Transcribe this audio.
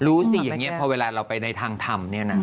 รู้สิอย่างนี้พอเวลาเราไปในทางทำเนี่ยนะ